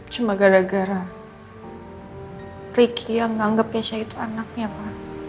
cuma gara gara ricky yang anggap keisha itu anaknya pa